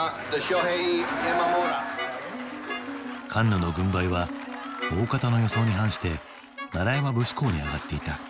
カンヌの軍配は大方の予想に反して「山節考」に上がっていた。